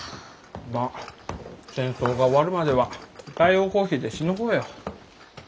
まあ戦争が終わるまでは代用コーヒーでしのごうよ。